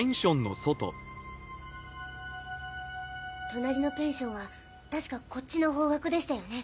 隣のペンションは確かこっちの方角でしたよね？